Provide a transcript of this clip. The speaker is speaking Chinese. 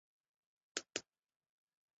他们也是加里曼丹达雅克人的分支。